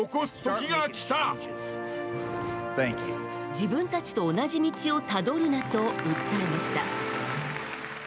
自分たちと同じ道をたどるなと訴えました。